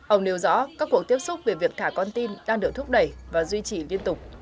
ông nêu rõ các cuộc tiếp xúc về việc thả con tin đang được thúc đẩy và duy trì liên tục